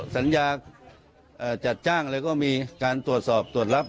สัญญาจัดจ้างอะไรก็มีการตรวจสอบตรวจรับ